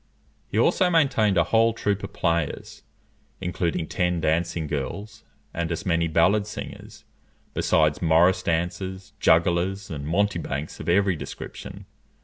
He also maintained a whole troop of players, including ten dancing girls and as many ballad singers, besides morris dancers, jugglers, and mountebanks of every description.